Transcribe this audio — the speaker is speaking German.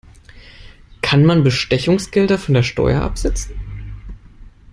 Kann man Bestechungsgelder von der Steuer absetzen?